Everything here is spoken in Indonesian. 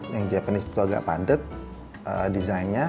yang japanese itu agak padat desainnya